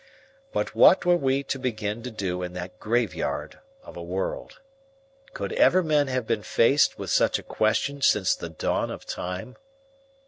But what were we to begin to do in that graveyard of a world? Could ever men have been faced with such a question since the dawn of time?